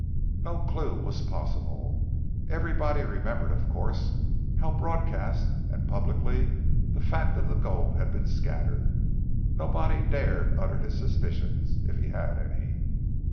No clue was possible. Everybody remembered, of course, how broadcast and publicly the fact of the gold had been scattered. Nobody dared utter his suspicions, if he had any.